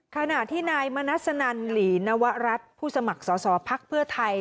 ขณะที่นายมนัสนันหลีนวรัฐผู้สมัครสอสอภักดิ์เพื่อไทย